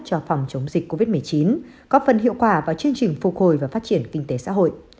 cho phòng chống dịch covid một mươi chín góp phần hiệu quả vào chương trình phục hồi và phát triển kinh tế xã hội